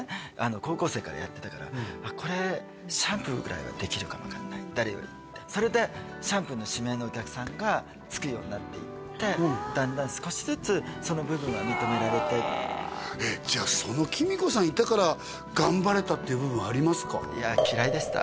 高校生からやってたからこれシャンプーぐらいはできるかも分かんない誰よりもそれでシャンプーの指名のお客さんがつくようになっていってだんだん少しずつその部分は認められてえっじゃあそのっていう部分ありますか？